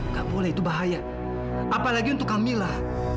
nggak boleh itu bahaya apalagi untuk kamila